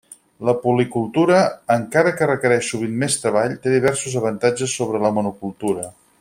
La policultura, encara que requereix sovint més treball, té diversos avantatges sobre la monocultura.